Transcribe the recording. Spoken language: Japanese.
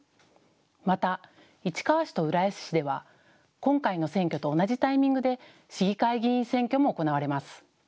また市川市と浦安市では今回の選挙と同じタイミングで市議会議員選挙も行われます。